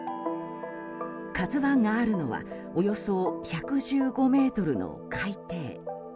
「ＫＡＺＵ１」があるのはおよそ１１５ｍの海底。